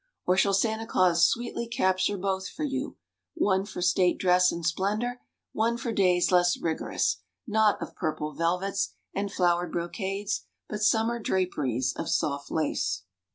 Or shall Santa Claus sweetly capture both for you, one for state dress and splendor, one for days less rigorous, not of purple velvets and flowered brocades, but summer draperies of soft lace?"